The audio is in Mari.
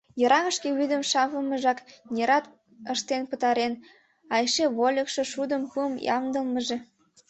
Йыраҥышке вӱдым шавымыжак нерат ыштен пытарен, а эше вольыкшо, шудым, пум ямдылымыже.